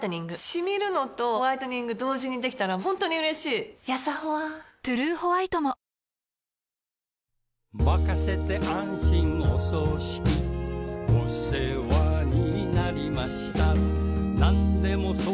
シミるのとホワイトニング同時にできたら本当に嬉しいやさホワ「トゥルーホワイト」も正直ホントに？